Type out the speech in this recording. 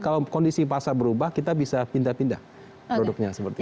kalau kondisi pasar berubah kita bisa pindah pindah produknya seperti itu